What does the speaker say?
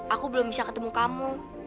aku belum bisa ketemu kamu